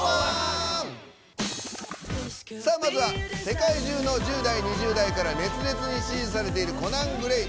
世界中の１０代、２０代から熱烈に支持されているコナン・グレイ。